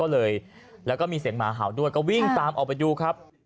แล้วก็มีเสียงหมาเห่าด้วยก็วิ่งตามออกไปดูครับ